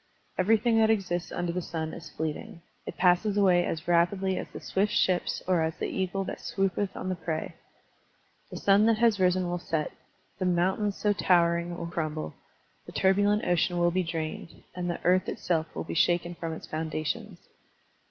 Everything that exists under the sun is fleeting; it passes away as rapidly as the swift ships or as the eagle that swoopeth on the prey. The sun that has risen will set, the mountains so towering will crumble, the turbulent ocean will be drained, and the earth itself will be shaken from its foundations.